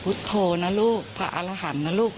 พูดโทนนะลูกผ่าอารหันน่ะลูก